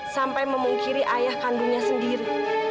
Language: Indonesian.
sampai memungkiri ayah kandungnya sendiri